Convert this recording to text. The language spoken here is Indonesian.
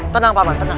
tenang pak man tenang